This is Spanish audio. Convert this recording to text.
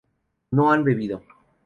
no han bebido